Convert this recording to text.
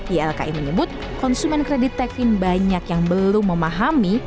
ylki menyebut konsumen kredit tekvin banyak yang belum memahami